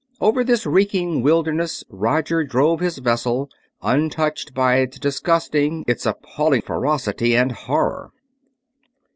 Over this reeking wilderness Roger drove his vessel, untouched by its disgusting, its appalling ferocity and horror.